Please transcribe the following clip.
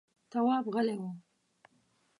تواب غلی و…